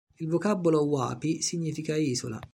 Il vocabolo "Huapi" significa "isola".